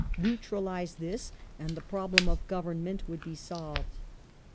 Neutralize this, and the prob lem of government would be solved.